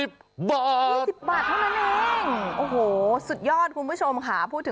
บาทเท่านั้นเองโอ้โฮสุดยอดคุณผู้ชมค่ะ